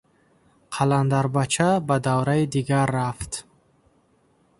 Қаландарбача ба давраи дигар рафт.